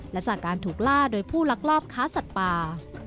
และจากการถูกล่าโดยผู้ลักลอบค้าสัตว์ป่า